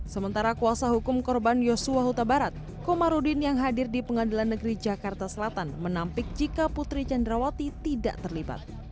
sementara kuasa hukum korban yosua huta barat komarudin yang hadir di pengadilan negeri jakarta selatan menampik jika putri candrawati tidak terlibat